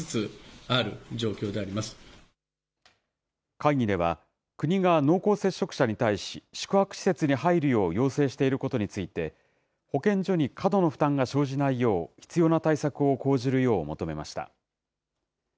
会議では、国が濃厚接触者に対し、宿泊施設に入るよう要請していることについて、保健所に過度の負担が生じないよう、必要な対策を講じるよう求めました。